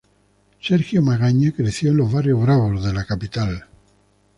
Sergio Magaña creció en los barrios bravos de la capital.